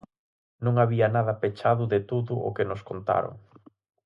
Non había nada pechado de todo o que nos contaron.